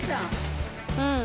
うん。